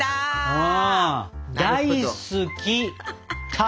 大好き「タ」。